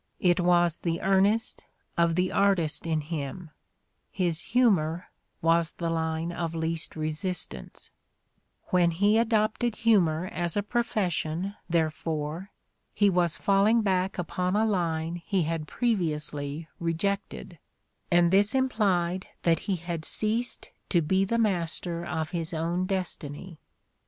It was the earnest of the artist in him : his humor was the line of least resistancei(^'"When he adopted humor as a pro fession, therefore, he was falling back upon a line he had previously rejected, and this implied that he had ceased to be the master of his own destiny.